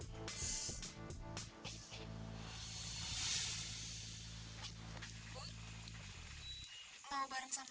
ga usah makasih